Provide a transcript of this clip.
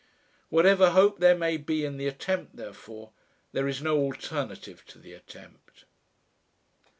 Whatever hope there may be in the attempt therefore, there is no alternative to the attempt.